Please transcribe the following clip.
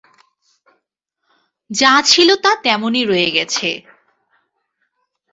যা ছিল তা তেমনিই রয়ে গেছে।